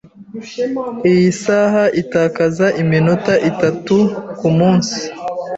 Iyi saha itakaza iminota itatu kumunsi.